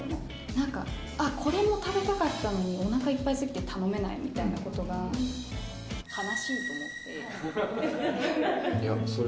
なんか、あっ、これも食べたかったのに、おなかいっぱいすぎて、頼めないみたいなことが悲しいとそれ、